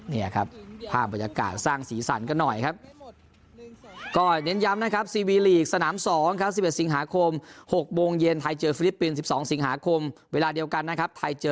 นี่ครับภาพบรรยากาศสร้างสีสันกันหน่อยครับ